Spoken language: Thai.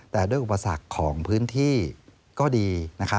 แต่ด้วยอุปสรรคของพื้นที่ก็ดี